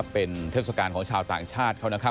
เป็นเทศกาลของชาวต่างชาติเขา